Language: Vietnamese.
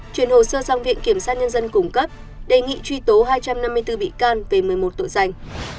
chuyển hồ sơ sang viện kiểm sát nhân dân cung cấp đề nghị truy tố hai trăm năm mươi bốn bị can về một mươi một tội danh